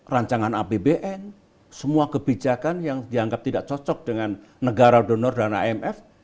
rancangan apbn semua kebijakan yang dianggap tidak cocok dengan negara donor dan imf